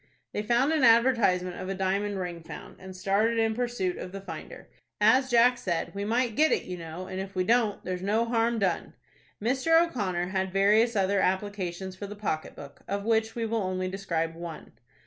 They found an advertisement of a diamond ring found, and started in pursuit of the finder. As Jack? said, "We might get it, you know; and if we don't, there's no harm done." Mr. O'Connor had various other applications for the pocket book, of which we will only describe one.